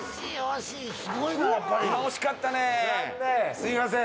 すみません。